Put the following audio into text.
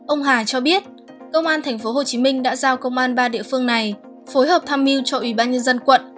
ông hà cho biết công an tp hcm đã giao công an ba địa phương này phối hợp tham mưu cho ủy ban nhân dân quận